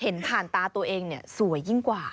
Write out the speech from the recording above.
เห็นผ่านตาตัวเองเนี่ยสวยยิ่งกว่า